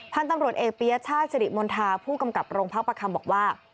พันธุ์ตำรวจเอกปียชาติสิริมณฑาผู้กำกับโรงพักประคำบอกว่า